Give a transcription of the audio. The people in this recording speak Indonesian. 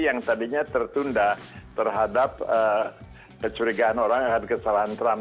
yang tadinya tertunda terhadap kecurigaan orang akan kesalahan trump